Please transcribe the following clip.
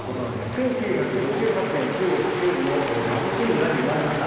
１９５８年、中国中部の貧しい村に生まれました。